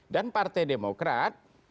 dan partai demokrat